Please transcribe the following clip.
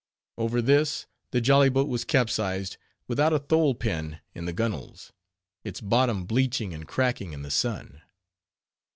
Over this the jolly boat was capsized without a thole pin in the gunwales; its bottom bleaching and cracking in the sun.